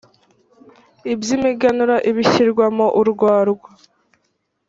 iby imiganura ibishyirwamo urwarwa